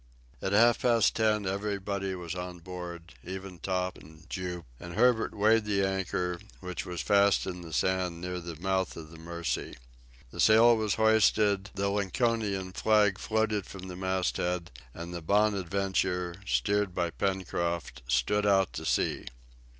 At half past ten everybody was on board, even Top and Jup, and Herbert weighed the anchor, which was fast in the sand near the mouth of the Mercy. The sail was hoisted, the Lincolnian flag floated from the masthead, and the "Bonadventure," steered by Pencroft, stood out to sea.